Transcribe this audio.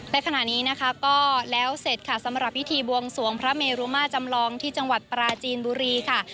และขณะนี้นะคะก็แล้วเสร็จค่ะสำหรับพิธีบวงสวงพระเมรุมาจำลองที่จังหวัดปราจีนบุรีค่ะ